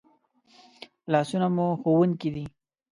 لاسونه مو ښوونکي دي